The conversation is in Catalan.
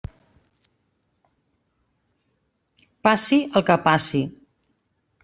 Passi el que passi.